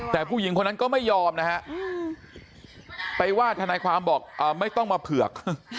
แต่ผู้หญิงคนนั้นก็ไม่ยอมนะฮะไปว่าทนายความบอกไม่ต้องมาเผือก